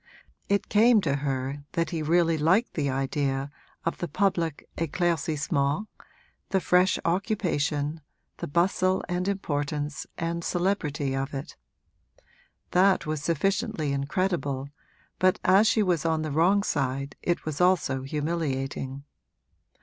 It came to her that he really liked the idea of the public éclaircissement the fresh occupation, the bustle and importance and celebrity of it. That was sufficiently incredible, but as she was on the wrong side it was also humiliating.